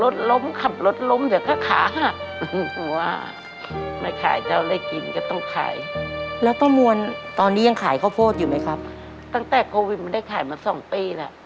ตั้งแต่โควิดมันได้ขายมาสองปีแล้ว